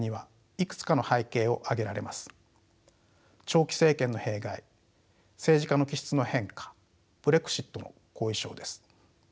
「長期政権の弊害」「政治家の気質の変化」「ブレグジットの後遺症」です。